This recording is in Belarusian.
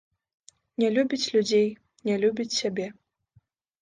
Не любіць людзей, не любіць сябе.